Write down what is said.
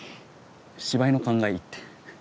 芝居の勘がいいって。